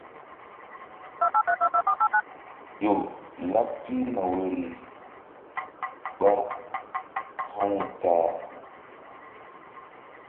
Ƴo laɓ pihna woyri mbáhani ta a.